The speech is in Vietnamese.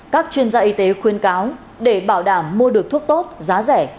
các chuyên gia y tế khuyên cáo để bảo đảm mua được thuốc tốt giá rẻ